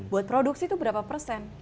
buat produksi itu berapa persen